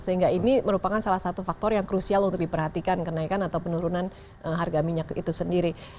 sehingga ini merupakan salah satu faktor yang krusial untuk diperhatikan kenaikan atau penurunan harga minyak itu sendiri